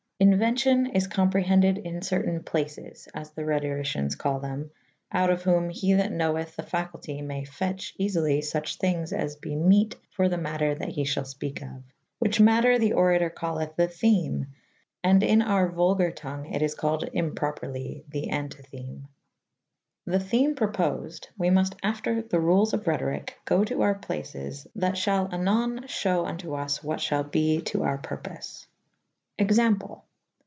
Inuencyon is co»zprehended in certayn placys / as the Rhetori cieiis call the»2/out of whowz he that knoweth the facultye may fetche eafyly f uche thynges as be mete for the mater that he f hal fpeke of / which mater the Oratour calleth the theme and in oure vulgayre tonge it is callyd improprely the antytheme." The theme propoied^ we multe after the rules of Rhetoryke go to oure placys that fhal anone fhew vnto vs what f halbe to oure purpofe. Example.